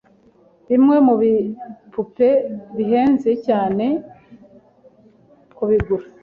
Bimwe mubipupe bihenze cyane kubigura.